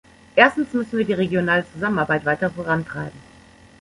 Erstens müssen wir die regionale Zusammenarbeit weiter vorantreiben.